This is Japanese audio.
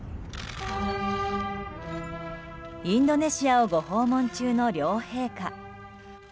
インドネシアをご訪問中の両陛下。